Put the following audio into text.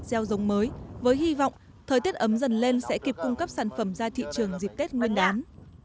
gieo giống mới với hy vọng thời tiết ấm dần lên sẽ kịp cung cấp sản phẩm ra thị trường dịp tết nguyên đán